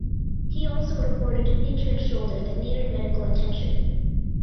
He also reported an injured shoulder that needed medical attention.